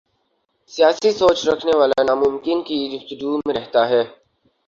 سیاسی سوچ رکھنے والا ناممکن کی جستجو میں رہتا ہے۔